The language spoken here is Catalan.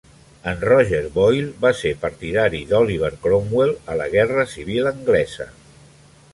En Roger Boyle va ser partidari d'Oliver Cromwell a la guerra civil anglesa.